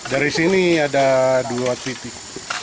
dari sini ada dua titik